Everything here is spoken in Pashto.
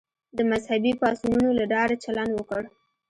د مذهبي پاڅونونو له ډاره چلند وکړ.